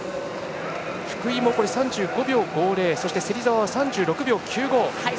福井も３５秒５０芹澤は３６秒９５。